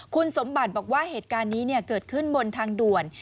คุณสมบัติบอกว่าเหตุการณ์นี้เกิดขึ้นบนทางด่วน